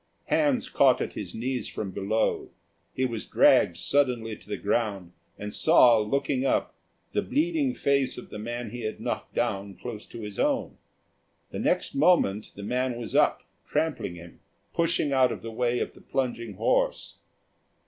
Hands caught at his knees from below; he was dragged suddenly to the ground, and saw, looking up, the bleeding face of the man he had knocked down close to his own. The next moment the man was up, trampling him, pushing out of the way of the plunging horse.